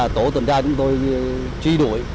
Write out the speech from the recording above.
tổ tuần tra chúng tôi truy đuổi